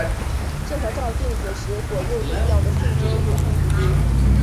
这和照镜子时左右对调的性质有关。